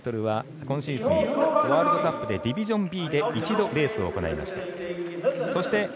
３０００ｍは今シーズンワールドカップでディビジョンＢで一度レースを行いました。